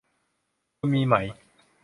คุณมีไหม